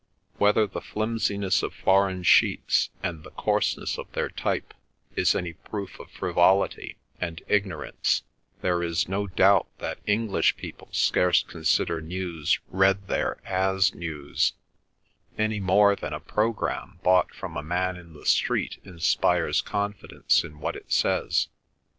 Whether the flimsiness of foreign sheets and the coarseness of their type is any proof of frivolity and ignorance, there is no doubt that English people scarce consider news read there as news, any more than a programme bought from a man in the street inspires confidence in what it says.